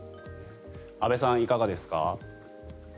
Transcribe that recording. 安部さん、いかがですか？